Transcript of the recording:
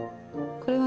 これは？